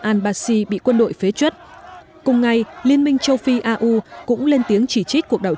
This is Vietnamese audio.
al basi bị quân đội phế chuất cùng ngày liên minh châu phi au cũng lên tiếng chỉ trích cuộc đảo